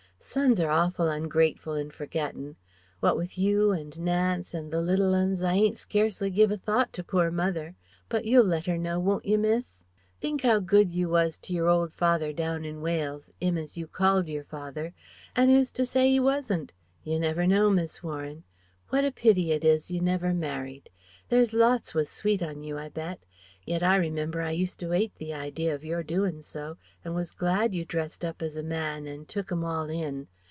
Sons are awful ungrateful and forgettin'. What with you and Nance and the little 'uns, I ain't scarcely give a thought to poor mother. But you'll let her know, won't you, miss?... "Think 'ow good you was to your old father down in Wales, 'im as you called your father an' 'oo's to say 'e wasn't? You never know.... Miss Warren! what a pity it is you never married. There's lots was sweet on you, I'll bet. Yet I remember I used to 'ate the idea of your doin' so, and was glad you dressed up as a man, an' took 'em all in....